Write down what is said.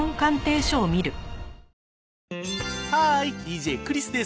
ハーイＤＪクリスです。